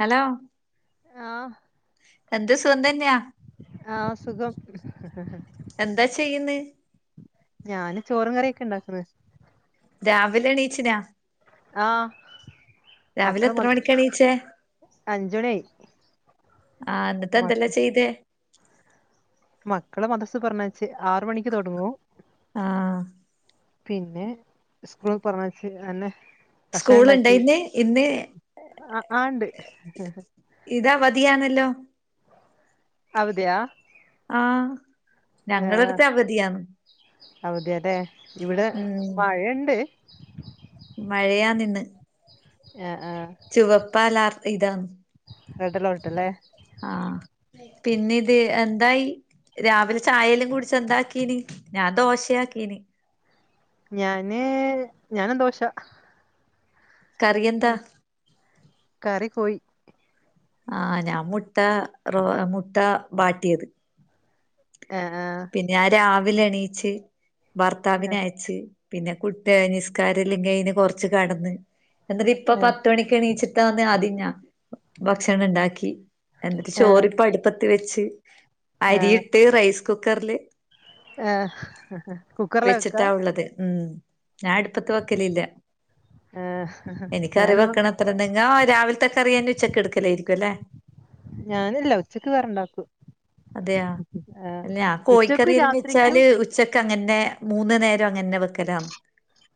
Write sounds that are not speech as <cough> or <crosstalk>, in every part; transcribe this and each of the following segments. Hello ആഹ് എന്ത് സുഖം തന്നെയാ ആഹ് സുഖം എന്താ ചെയ്യുന്ന് ഞാന് ചോറും കറിയൊക്കെ ഇണ്ടാക്ക്ണ് രാവിലെ എണീച്ചിനാ ആഹ് രാവിലെ എത്ര മണിക്കാ എണീച്ചേ അഞ്ച്മണി ആയി ആഹ് ഇന്നത്ത് എന്തെല്ലാ ചെയ്തേ മക്കളെ മദ്രസ്സ് പറഞ്ഞേച്ച് ആറ്മണിക്ക് തുടങ്ങും ആഹ് പിന്നെ സ്കൂള് പറ ഞ്ഞേ ച്ച് അ അന്നെ ഭക്ഷണം സ്കൂളുണ്ടോ ണ്ടാക്കി ഇന്ന് ഇന്ന് ആഹ് ആഹ് ണ്ട് ഇത് അവധിയാ ന്നല്ലോ അവധിയാ ആഹ് ഞങ്ങളടുത്ത് അവധിയാ ന്ന് അവധി യാലേ ഇവിടെ മഴണ്ട് മഴയാ ന്ന് ഇന്ന് ആഹ് ആഹ് ചുവപ്പാലാർട്ടി ഇതാന്ന് റെഡ് അലേർട്ടല്ലേ ആഹ് പിന്നെത് എന്തായി രാവിലെ ചായല്ലം കുടിച്ച് എന്താക്കീന് ഞാൻ ദോശയാക്കീന് ഞാന് ഞാനുംദോശ കറിയ ന്താ കറി കോയി ആഹ് ഞാൻ മുട്ട റോ മുട്ട വാട്ടിയത് ഏഹ് ആഹ് ഞാൻ രാവിലെ എണീച്ച് ഭർത്താവിനെ ആഹ് അയച്ച് പിന്നെ കുട്ടെ നിസ്കാരല്ലം കയിഞ്ഞ് കൊറച്ച് കടന്ന് എന്നിട്ട് ഇപ്പ ആഹ് പത്തുമണിക്ക് എണീച്ചി ത്ത വന്ന ആദ്യം ഞാ ഭക്ഷണം ണ്ടാക്കി എന്നിട്ട് ആഹ് ചോറിപ്പ അടുപ്പത്തി വെച്ച് ആഹ് അരിയിട്ട് റൈസ് കുക്കറ്ല് ആഹ് ആഹ് കുക്കറിലാ വെക്കാ വെച്ചിട്ടാ ഉള്ളത് ഉം ഞാൻ അടുപ്പത്ത് വക്കല് ഇല്ല ഏഹ് ഇനിക്കറി ഞാനും വെക്കണ അത്രന്നെ ഞാ രാവിൽത്തെ കറിയന്നെ ഉച്ചക്ക് ട്ക്കലായിരിക്കും അല്ലേ ഞാനില്ല ഉച്ചക്ക് വേറെണ്ടാക്കു ഞാൻകോഴിക്കറി എല്ലം വെച്ചാല് ഉച്ചക്ക് അങ്ങന്നെ മൂന്നു നേരം അങ്ങന്നെ വെക്കലാണ്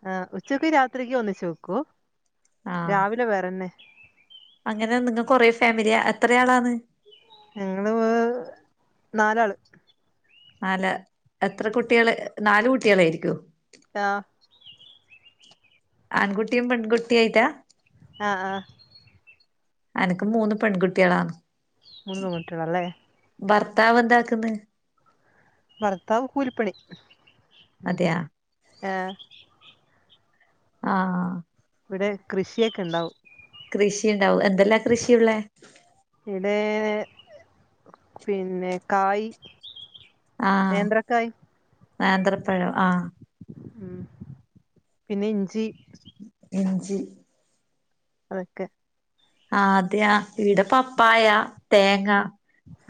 ആ ഉച്ചക്ക് രാത്രിക്ക് ഒന്നിച്ച് വെക്കൂ ആഹ് രാവിലെ വേറെന്നെ അങ്ങനെ നിങ്ങ കൊറെ ഫാമിലിയാ എത്രയാളാണ് ഞങ്ങള് വ് നാലാള് നാല എത്ര കുട്ടികള് നാലു കുട്ടികളായിരിക്കോ താ ആൺകുട്ടിയും പെൺകുട്ടി ആയിട്ടാ ആഹ് ആഹ് അനക്ക് മൂന്ന് പെൺകുട്ടികളാണ് മൂന്ന് പെങ്കുട്ടികളല്ലേ ഭർത്താവ് എന്താക്ക്‌ന്ന് ഭർത്താവ് കൂലിപ്പണി മ് അതെയാ ഏ ആഹ് ഇവിടെ കൃഷിയൊക്കെ ഉണ്ടാവും കൃഷി ഉണ്ടാവും എന്തല്ലാ കൃഷിയുള്ളേ ഇവിടെ പിന്നെ കായ് ആഹ് നേന്ത്രക്കായ് നേന്ത്രപ്പഴം ആഹ് മം പിന്നെ ഇഞ്ചി ഇഞ്ചി അതൊക്കെ ആഹ് അതെയാ ഇവിടെ പപ്പായാ തേങ്ങ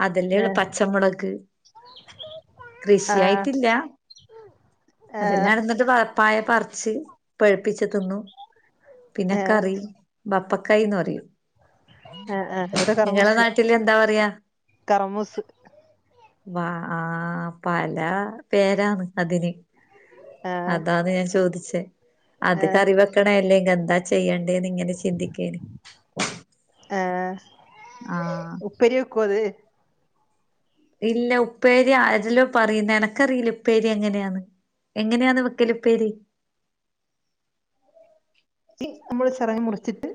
അതല്ലേ ഉള്ളൂ ഏഹ് പച്ചമുളക് കൃഷി ആഹ് ആയിട്ടില്ല ആഹ് അതെല്ലാടത്തും ഇത് പപ്പായ പറിച്ച് പഴുപ്പിച്ച് തിന്നു പിന്നെ ഏഹ് കറി ബപ്പക്കായിന്ന് പറയും ആഹ് ആഹ് ഇവിടെ നിങ്ങളെ കറുമൂസ് നാട്ടില് എന്താ പറയാ കറുമൂസ് വ ആ പല പേരാന്ന് അതിന് ആഹ് അതാന്ന് ഞാൻ ചോദിച്ചേ അത് ആഹ് കറി വെക്കണേല്ലേ ഇനി എന്താ ചെയ്യണ്ടേന്ന് ഇങ്ങനെ ചിന്തിക്കേന് ആഹ് ആഹ് പ്പേരി വക്കുവോ അത് ഇല്ല ഉപ്പേരി ആരെല്ലോ പറയുന്നെ എനക്കറിയില്ല ഉപ്പേരി എങ്ങനെയാന്ന് എങ്ങനെയാന്ന് വെക്കല് ഉപ്പേരി ള്ളി നമ്മള് ചെറുങ്ങനെ മുറിച്ചിട്ട്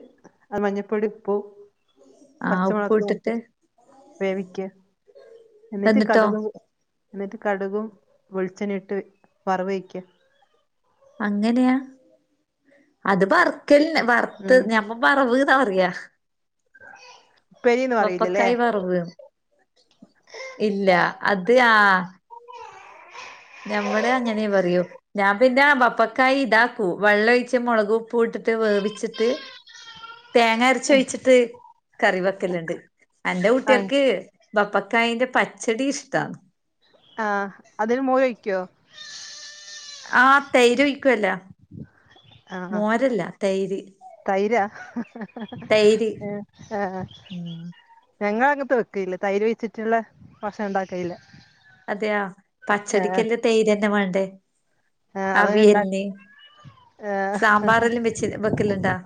അത് മഞ്ഞപ്പൊടി ഉപ്പും ആഹ് പച്ചമൊളക് ഉപ്പ് ക്കെ ഇട്ടിട്ട് ഇട്ട് വേവിക്ക എന്നിട്ട് എന്നിട്ടോ കടുകും എന്നിട്ട് കടുകും വെളിച്ചെണ്ണയും ഇട്ട് വറവ് വയ്ക്ക അങ്ങനെയാ അത് വറുക്കല്ലേ വറുത്ത് ഉം ഞമ്മ വറവ് എന്ന പറയാ ഉപ്പേരീന്ന് പറയില്ലല്ലേ ബപ്പകായ് വറവ് ഇല്ല അത് ആ ഞമ്മടെ അങ്ങനെ പറയൂ ഞാൻ പിന്നെ ബപ്പക്കായ് ഇതാക്കൂ വെള്ളം ഒഴിച്ച് മുളക് ഉപ്പും ഇട്ടിട്ട് വേവിച്ചിട്ട് തേങ്ങ അരച്ചൊഴിച്ചിട്ട് കറി വെക്കലുണ്ട് അന്റെ ആഹ് കുട്ടികൾക്ക് ബപ്പക്കായിൻ്റെ പച്ചടി ഇഷ്ടാണ് ആഹ് അതിന് മോര് ഒയിക്കോ ആഹ് തൈര് ഒഴിക്കുവല്ലാ ആഹ് മോരല്ല തൈര് തൈരാ തൈര് ഏ ആഹ് ഉം ഞങ്ങ അങ്ങത്ത് വെക്കയില്ല തൈര് വെച്ചിട്ട്ള്ള ഭക്ഷണം ഉണ്ടാക്കയില്ല അതെയോ പച്ചടിക്ക് എല്ലോം തൈര് തന്നെ വേണ്ടേ? ആഹ് അതങ്ങനെ ഉണ്ടാ അവിയൽന് സാമ്പാറെല്ലാം വെച്ച് വെക്കല്ണ്ടാ?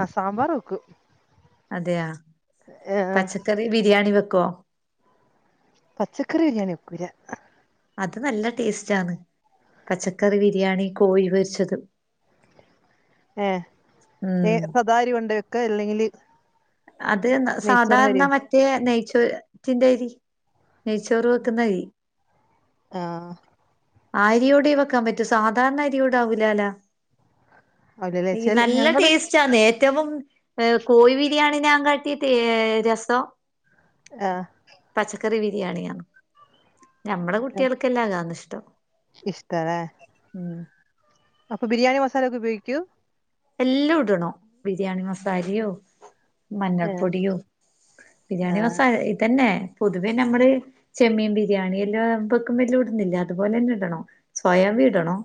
ആഹ് സാമ്പാറ് വെക്കും അതെയാ ഏഹ് ആഹ് പച്ചകറി ബിരിയാണി വെക്കോ? പച്ചക്കറി ബിരിയാണി വെക്കുല അത് നല്ല ടേസ്റ്റ് ആന്ന് പച്ചക്കറി ബിരിയാണി കോഴി പൊരിച്ചതും ഏഹ് എ ഉം സദാ അരി കൊണ്ട വെക്ക? അല്ലെങ്കില് അത് സാധാരണ മറ്റേ മറ്റേ നെയ്ച്ചോറ്റിന്റെ അരി നെയ്ച്ചോറ് വെക്കുന്ന അരി ആഹ് ആഹ് അരിയോടെ വെക്കാൻ പറ്റൂ സാധാരണ അരിയോടാവൂലാല്ലോ? അല്ലല്ലേ ഈ ചെൽ നല്ല ഞങ്ങള് ടേസ്റ്റ് ആന്ന് ഏറ്റവും എഹ് കോഴി ബി രിയാണിനെ കാട്ടിം ടേ രസം ആഹ് പച്ചക്കറി ബിരിയാണിയാണ് ഞമ്മടെ കുട്ടികൾക്കെല്ലാ അതാണീഷ്ടം ഇഷ്ട്ടലേ? ഉം അപ്പൊ ബിരിയാണി മസാല ഒക്കെ ഉപയോഗിക്കും? എല്ലും ഇടണം ബിരിയാണി മസാലിയും ഏഹ് മഞ്ഞൾപ്പൊടിയും ബിരിയാണി ആഹ് മസാല ഇതന്നെ പൊതുവേ നമ്മള് ചെമ്മീൻ ബിരിയാണി എല്ലാം വെക്കുമ്പം എല്ലും ഇടുന്നില്ലേ? അതുപോലന്നെ ഇടണം സോയബീടണോ?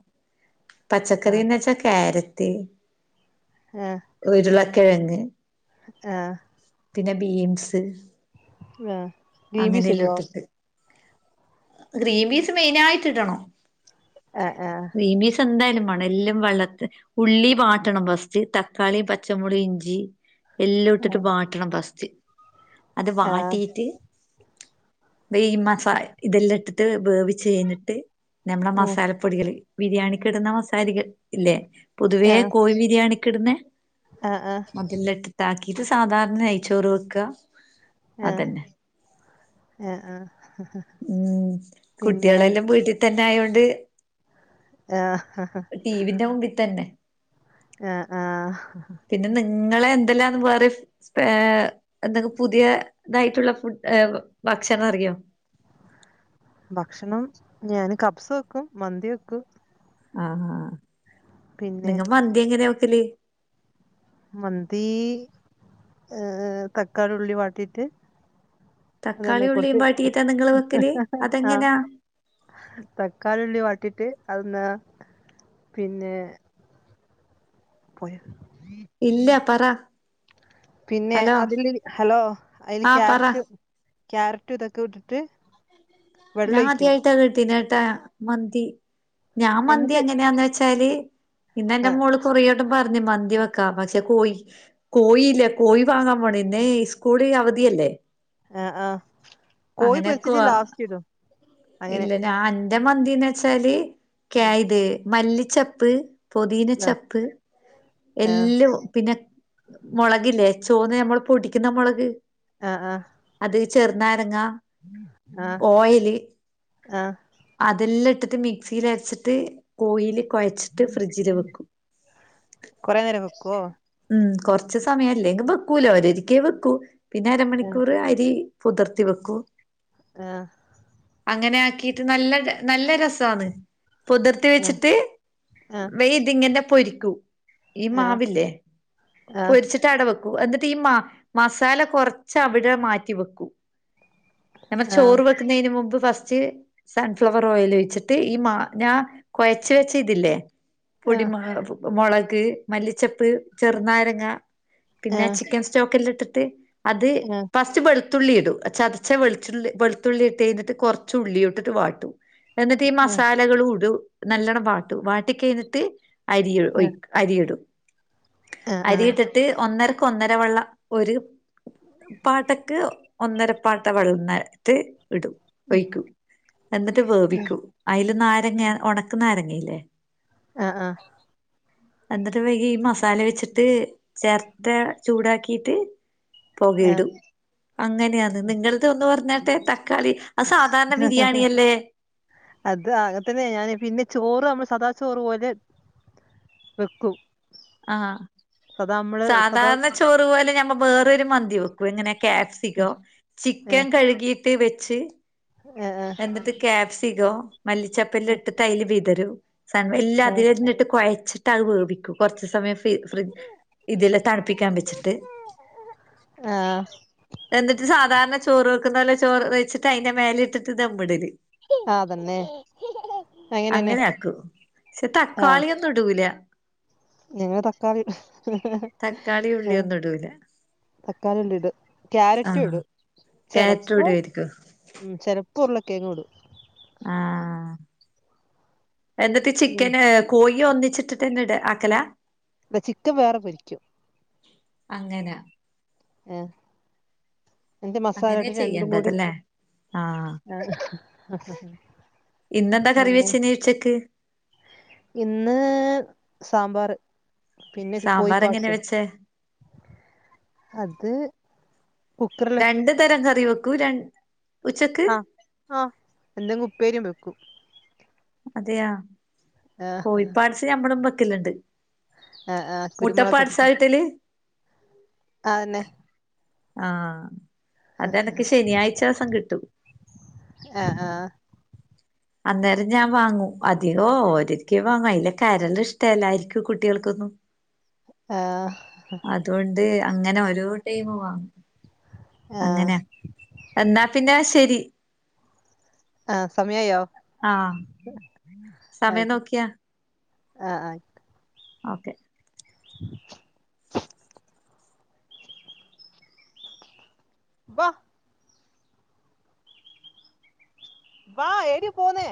പച്ചക്കറി ആഹ് എന്ന് വെച്ചാ ക്യാരറ്റ് ആഹ് ഉരുളക്കിഴങ്, ആഹ് പിന്നെ ബീൻസ് ആഹ് ഗ്രീൻ പീസ് അങ്ങനെയെല്ലോം ഇടുവോ ഇട്ടിട്ട് ഗ്രീൻ പീസ് മെയിനായിട്ട് ഇടണം ആഹ് ആഹ് ഗ്രീൻപീസ് എന്തായാലും വാണം എല്ലാം വെള്ളത്ത് ഉള്ളി വാ വാട്ടണം പസ്റ്റ് തക്കാളിയും പച്ചമുളീ ഇഞ്ചി എല്ലും ഇട്ടിട്ട് ആഹ് വാട്ടണം പസ്ട് അത് ആഹ് വാട്ടീട്ട് ഈ മസ ഇതെല്ലാം ഇട്ട്ട്ട് വേവിച്ച് കഴിഞ്ഞിട്ട് നമ്മളെ ആ ഉം മസാല പൊ ടികള് ബിരിയാണിക്ക് ഇടുന്ന മസാലികൾ ഇല്ലേ? പൊതുവേ ആഹ് കോഴി ബിരിയാണിക്ക് ഇടുന്നെ ആഹ് ആഹ് അതെല്ലാ ഇട്ടിട്ട് ആക്കിയിട്ട് സാധാരണ നെയിച്ചോറ് വെക്ക ആഹ് ഏ ആഹ് ആഹ് ഉം പിന്നെ കുട്ടിയളെല്ലാം വീട്ടി തന്നെ ആയോണ്ട് ആഹ് ടീവിന്റെ മുമ്പിത്തന്നെ ആഹ് ആഹ് പിന്നെ നിങ്ങളെ എന്തെല്ലാന്ന് വേറി സ്‌പേ എന്തെക് പുതിയ ഇതായിട്ടുള്ള ഫുഡ് ഭക്ഷണം അറിയോ? ഭക്ഷണം ഞാന് കബ്സ വെക്കും മന്തി വെക്കും ആഹഹാ പിന്നെ നിങ്ങ മന്തി എങ്ങനെ, വെക്കല് മന്തി ഏഹ് തക്കാളി ഉള്ളി വാട്ടിയിട്ട് തക്കാളി അതെന്നെ ഉള്ളിയും കുറച്ച് വാട്ടിയിട്ടാ നിങ്ങള് വെക്കല് ആഹ് അതെങ്ങനാ തക്കാളി ഉള്ളി വാട്ടിട്ട് അതൊന്ന് പിന്നെ പോയോ ഇല്ല പറ പിന്നെ ഹലോ അതില് ഹലോ അതില് ആ പറ ക്യാരറ്റ് ക്യാരറ്റ് ഇതൊക്കെ ഇട്ടട്ട് ഞാൻ ആദ്യായിട്ടാ കിട്ടീന്ന ട്ടാ മന്തി ഞാ മന്തി എന്നിട്ട് എങ്ങനെയാന്ന് വെച്ചാല് ഇന്നന്റെ ആഹ് മോള് കുറേ ട് പറഞ് മന്തി വക്കാ പക്ഷെ കോയി കോയില്ലേ കോഴി വാങ്ങാൻ പോണെ ഇന്നെസ്കൂൾ അവധിയല്ലേ ഏഹ് ആഹ് കോയി അങ്ങനെയൊക്കെ പൊരിച്ചിട്ട് ലാസ്റ്റ്ടും ഇല്ല ഞാൻ ന്റെ മന്തീന്ന് വെച്ചാല് ഉം ക്യാഇത് മല്ലിച്ചപ്പ് പൊതിയിന ചപ്പ് ആഹ് എല്ലാം പിന്നെ മുളകില്ലേ ചുവന്ന് നമ്മൾ പൊടിക്കുന്ന മുളക് ആഹ് ആഹ് അത് ചെറുനാരങ്ങ ആഹ് ഓയില് ആഹ് ആഹ് അതെല്ലാം ഇട്ടിട്ട് മിക്സിൽ അരച്ചിട്ട് കോയില് കൊഴച്ചിട്ട് ഫ്രിഡ്ജില് വെക്കും കൊറെേ നേരം വെക്കോ ഉം കൊറച് സമയല്ലെങ്കും വെക്കൂല ഓര് ഒരരിക്കേ വെക്കൂ പിന്നെ ആഹ് അരമണിക്കൂർ അരി പുതിർത്തി വെക്കൂ. ആഹ് അങ്ങനെ ആക്കിയിട്ട് നല്ല നല്ല രസ് സാണ് പുതിർത്തി ആഹ് വെച്ചിട്ട് ആഹ് വെയ്തിങ്ങെ പൊരിക്കൂ. ഈ ആഹ് മാവില്ലേ ആഹ് പൊരിച്ചി ട്ടാട വെക്കൂ എന്നിട്ട് ഈ മ മസാല കുറച്ച് അവിടെ മാറ്റി വെക്കൂ. നമ്മൾ ആഹ് ചോറ് വെക്കുന്നയ്ന് മുമ്പ് ഫസ്റ്റ്. സൺഫ്ലവർ ഓയിൽ ഒഴിച്ചിട്ട് ഈ മാ ഞാൻ കുഴച്ച വെച്ച ഇതില്ലേ. ആഹ് പൊടിമ മുളക് മല്ലിച്ചപ്പ് ചെറുനാരങ്ങ. പിന്നെ ആഹ് ചിക്കൻ സ്റ്റോക്കെല്ലാം ഇട്ടിട്ട് അത് ഫ ച്ച് വെളുത്തുള്ളി ഇടും ചതച്ച വെളിച്ചുള്ളി വെളുത്തുള്ളി ഇട്ട് കഴിഞ്ഞിട്ട് കുറച്ച് ഉള്ളിയുട്ട്ട്ട് വാട്ടു എന്നിട്ട് ഈ ആഹ് ആഹ് മസാലകൾ ഉടു നല്ലവണം വാട്ടു വാട്ടി കഴിഞ്ഞിട്ട് അരി ഒയ് അരിയിടും ആഹ് ആഹ് ആഹ് ആഹ് അരിയിട്ട്ട്ട് ഒന്നരക്കൊന്നര വള്ള ഒരു. പാട്ടൊക്ക് ഒന്നര പാട്ട വളന്നട്ട് ഇടും. ഒഴിക്കൂ എന്നിട്ട് ആഹ് വേവിക്കൂ അയ്ല് നാരങ്ങ ഉണക്ക് നാരങ്ങല്ലേ. ആഹ് ആഹ്. എന്നിട്ട് വൈകി ഈ മസാല വെച്ചിട്ട് ചേർത്ത ചൂടാക്കിട്ട്. ആഹ് പുകയിടും അങ്ങനെയന്ന് നിങ്ങൾ തൊന്ന് പറഞ്ഞാട്ടെ തക്കാളി. അത് സാധാരണ ഉ ബിരിയാണിയല്ലേ ഹ. അത് അങ്ങത്തന്നെ ഞാന് പിന്നെ ചോറ് നമ്മള് സദാ ചോറ് പോലെ. വെക്കും. ആഹ് സദാ നമ്മള് സദാ സാധാരണ ചോ റു പോലെ ഞമ്മ വേറൊരു മന്തി വെക്കും എങ്ങനെ ക്യാപ്സികം ചിക്കൻ ഏഹ് കഴ്കീ ട്ടി വെച്ച്. ഏഹ് എന്നിട്ട് ക്യാപ്സിക്കം മല്ലിച്ചപ്പല്ല ഇട്ട് അയില് വിതറും. <unintelligible> എല്ലാ ഏഹ് അതിലെന്നെ ഇട്ട് കുഴച്ചിട്ട് അത് വേവിക്കും കുറച്ച് സമയം. ഫി ഫ്രിഡ് ഇതെല്ലാം തണുപ്പിക്കാൻ വെച്ചിട്ട്. ആഹ് എന്നിട്ട് സാധാരണ ചോറ് വെക്കുന്ന പോലെ ചോറ് വെച്ചിട്ട് അയിന്റെ മേല ഇട്ടിട്ട് ദംടല്. അതന്നെ അങ്ങനെന്നെ അങ്ങനെ ആക്കും. പക്ഷെ ആഹ് തക്കാളിയൊന്നും ഇടൂല. ഞങ്ങള് തക്കാളി ഇടും ഇഹ്, ഇഹ്, ഇഹ് തക്കാളി ഉള്ളിയൊന്നു ഇടൂല. തക്കാളി, ഉള്ളി ഇടും, ക്യാരറ്റും ആഹ് ഇടും ക്യാരറ്റും ചെലപ്പം ഇടുവായിരിക്കും ഉം ചിലപ്പോ ഉരുളക്കെഴങ്ങു ഇടും. ആഹ്, എന്നിട്ട് ഉം ചിക്കന് കോഴി ഒന്നിച്ചിട്ടിട്ട്ന്നെട് ആക്കല. ചിക്കൻ വേറെ പൊരിക്കും. അങ്ങനെ. ഏഹ്. എന്നിട്ട് മസാല അങ്ങനെ ഇട്ടിട്ട് രണ്ടും ചെയ്യേണ്ടത് കൂടി ല്ലേ ആഹ്. ഇന്നെന്താ കറി പിന്നെ വെച്ചിനെ ഉച്ചക്ക്? ഇന്ന് സാമ്പാറ് പിന്നെ കോഴി സാമ്പാർ എങ്ങനെ പാട്സും. വെച്ചേ അത് കുക്കറില് രണ്ട് തരം കറി വെക്കു ര ഉച്ചക്ക്‌. ആഹ്, ആഹ് എന്തെങ്കിലും ഉപ്പേരിയും വെക്കും. അതെയാ ഏഹ് കോഴി പ്പാട്സ് നമ്മളും വെക്കലുണ്ട്. ആഹ്, ആഹ് കുരുമുളകക്കെ മുട്ടപ്പാട്സാ ഇട്ട് കിട്ടല് അതന്നെ. ആഹ്, അതെനിക്ക് ശനിയാഴ്ച ദിവസം കിട്ടൂ. ഏഹ്, ആഹ്. അന്നേരം ഞാൻ വാങ്ങും അധികം ഒരൊക്കെ വാങ്ങും അയില കരള് ഇഷ്ടല്ലായിരിക്കും കുട്ടികൾക്കൊന്നും. ആഹ് അതുകൊണ്ട് അങ്ങനെ ഓരോ ടൈമ് വാങ്ങും. ആഹ്. അങ്ങനെ എന്നാ പിന്നെ ശരി. ആ സമയായോ? ആഹ്. സമയം ആയിക്കോട്ടെ നോക്കിയാ ആഹ്, ആഹ് ആയി ഓക്കെ. <unintelligible> വാ ഏടെ പോവ്ന്നേ?